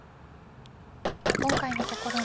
今回の試み